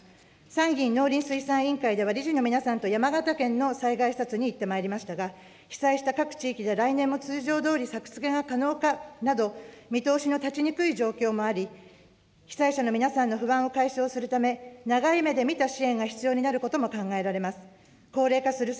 参議院農林水産委員会では、理事の皆さんと山形県の災害視察に行ってまいりましたが、被災した各地域で来年も通常どおり、作付けが可能かなど、見通しの立ちにくい状況もあり、被災者の皆さんの不安を解消するため、長い目で見た支援が必要なことが考えられます。